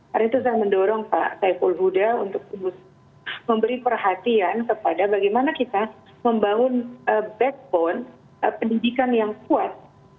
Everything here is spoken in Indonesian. karena itu saya mendorong pak saiful huda untuk memberi perhatian kepada bagaimana kita membangun backbone pendidikan yang kuat